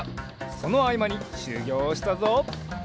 そのあいまにしゅぎょうをしたぞ。